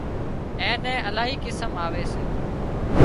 اين نين الاهي قسم آوي سي